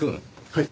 はい。